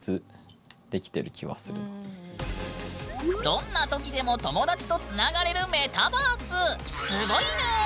どんな時でも友達とつながれるメタバースすごいぬん！